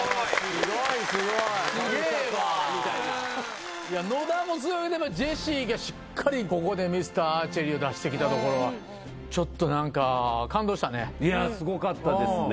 すごいすごいすげえわいや野田も強いでもジェシーがしっかりここでミスターアーチェリーを出してきたところはいやすごかったですね